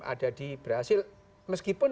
ada di brazil meskipun